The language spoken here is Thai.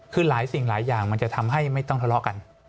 คือหลายสิ่งหลายอย่างมันจะทำให้ไม่ต้องทะเลาะกัน